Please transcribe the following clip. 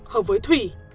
hợp với thủy